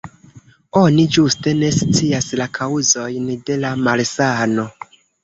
Oni ĝuste ne scias la kaŭzojn de la malsano.